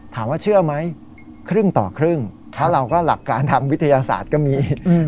ถามว่าเชื่อไหมครึ่งต่อครึ่งถ้าเราก็หลักการทางวิทยาศาสตร์ก็มี